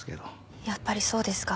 やっぱりそうですか。